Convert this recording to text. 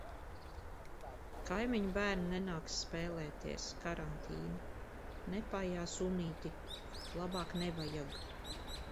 Kaimiņu bērni nenāks spēlēties. Karantīna. Nepaijā sunīti. Labāk nevajag.